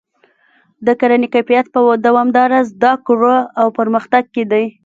د کرنې کیفیت په دوامداره زده کړه او پرمختګ کې دی.